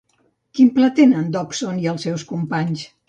Quin pla tenen Dodgson i els seus companys?